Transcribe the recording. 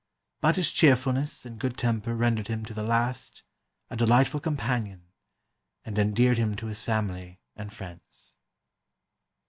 But his cheerfulness and good temper rendered him to the last a delightful companion, and endeared him to his family and friends."